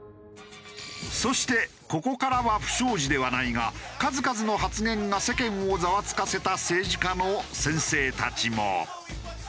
そしてここからは不祥事ではないが数々の発言が世間をザワつかせた政治家の先生たちも。